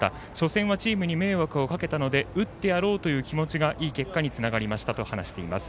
初戦はチームに迷惑かけたので打ってやろうという気持ちがいい結果につながりましたとも話しています。